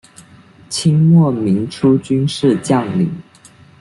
清末民初军事将领。